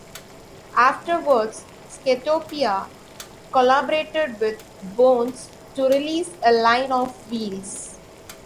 Afterwards Skatopia collaborated with Bones to release a line of wheels.